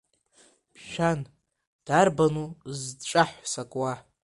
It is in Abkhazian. Мшәан, дарбану зҵәаҳә сакуа?